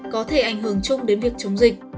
có thể ảnh hưởng chung đến việc chống dịch